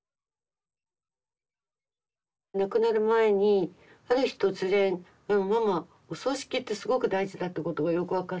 亡くなる前にある日突然「ママお葬式ってすごく大事だってことがよく分かった」と。